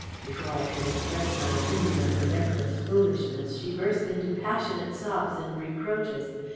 Before I could express my opinion of her reckless foolishness she burst into passionate sobs and reproaches.